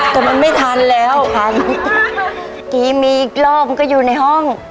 แต่มันไม่ทันแล้วค่ะกินมีอีกรอบมันก็อยู่ในห้อง